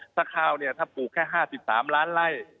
ถ้าข้าวเนี่ยถ้าปลูกแค่๕๓ล้านไล่